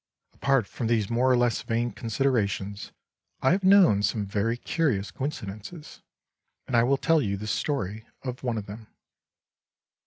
Apart from these more or less vain considerations, I have known some very curious coincidences, and I will tell you the story of one of them.